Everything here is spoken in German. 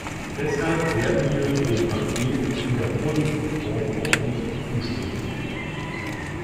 Deshalb werden wir dem Paket in der vorliegenden Form auch nicht zustimmen.